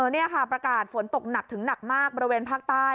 นี่ค่ะประกาศฝนตกหนักถึงหนักมากบริเวณภาคใต้